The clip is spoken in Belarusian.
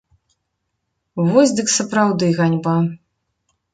Вось дык сапраўды ганьба.